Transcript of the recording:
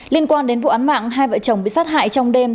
liên quan đến vụ án mạng hai vợ chồng bị sát hại trong đêm